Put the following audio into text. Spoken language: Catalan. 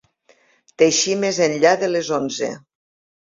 Teixí més enllà de les onze.